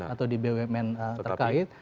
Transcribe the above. atau di bumn terkait